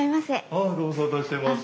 あっご無沙汰してます。